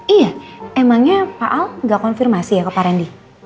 iya emangnya pak al nggak konfirmasi ya ke pak randy